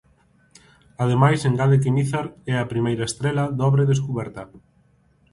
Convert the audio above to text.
Ademais, engade que Mizar é a primeira estrela dobre descuberta.